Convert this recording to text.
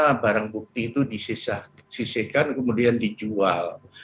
karena barang bukti itu disisihkan kemudian dijual